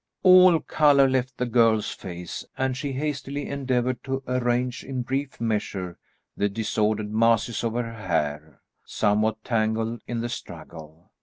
All colour left the girl's face, and she hastily endeavoured to arrange in brief measure the disordered masses of her hair, somewhat tangled in the struggle.